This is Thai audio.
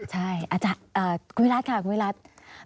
ใช่อาจารย์คุณวิรัติค่ะคุณวิรัติ